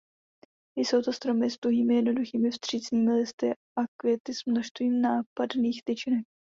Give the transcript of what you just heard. Jsou to stromy s tuhými jednoduchými vstřícnými listy a květy s množstvím nápadných tyčinek.